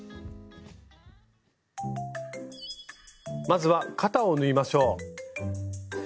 まずは肩を縫いましょう。